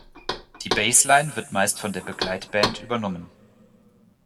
Die Basslinie wird meist von der Begleitband übernommen.